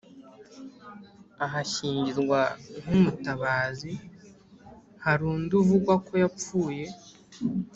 ahashyingirwa nk umutabazi Hari undi uvugwa ko yapfuye